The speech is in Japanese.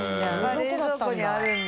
冷蔵庫にあるんだ。